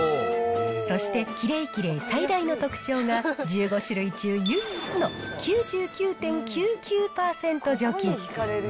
そしてキレイキレイ最大の特徴が、１５種類中唯一の９９．９９％除菌。